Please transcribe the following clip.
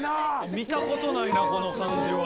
見たことないなこの感じは。